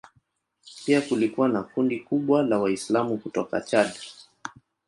Pia kulikuwa na kundi kubwa la Waislamu kutoka Chad.